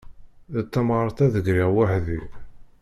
D tamɣart a d-griɣ weḥd-i.